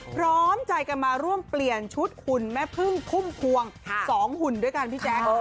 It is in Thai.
พร้อมใจกันมาร่วมเปลี่ยนชุดหุ่นแม่พึ่งพุ่มพวง๒หุ่นด้วยกันพี่แจ๊ค